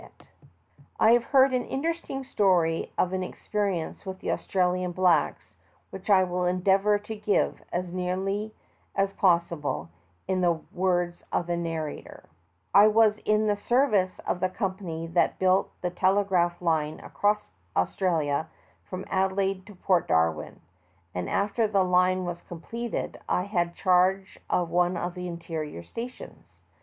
200 THE TALKING HANDKERCHIEF. I have heard an interesting story of an expe* rienee with the Australian blaeks which I will endeavor to give, as nearly as possible, in the words of the narrator. I was in the service of the company that built the telegraph line across Australia from Adelaide to Port Darwin, and after the line was completed I had charge of one of the interior stations.